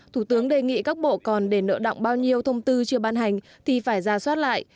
thủ tướng đề nghị các bộ còn để nợ động bao nhiêu thông tư chưa ban hành thì phải ra soát lại